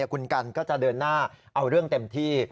คุณกันก็จะเดินหน้าเอาเรื่องเต็มที่